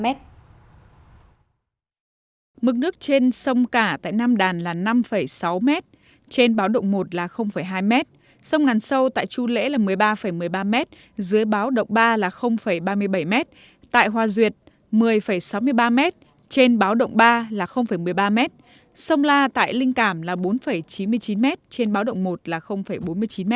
mực nước trên sông cả tại nam đàn là năm sáu m trên báo động một là hai m sông ngàn sâu tại chu lễ là một mươi ba một mươi ba m dưới báo động ba là ba mươi bảy m tại hoa duyệt một mươi sáu mươi ba m trên báo động ba là một mươi ba m sông la tại linh cảm là bốn chín mươi chín m trên báo động một là bốn mươi chín m